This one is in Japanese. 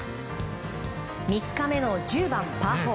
３日目の１０番、パー４。